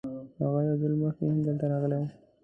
هغه یو ځل مخکې هم دلته راغلی و.